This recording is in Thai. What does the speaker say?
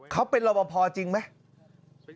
เขาเป็นรอบพอจริงไหม